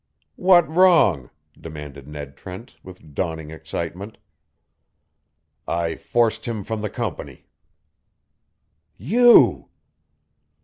"What wrong?" demanded Ned Trent, with dawning excitement. "I forced him from the Company." "You!"